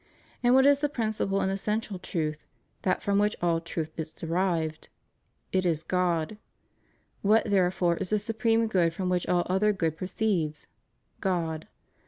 And what is the principal and essential truth, that from which all truth is derived? It is God. What, therefore, is the supreme good from which all other good proceeds? God.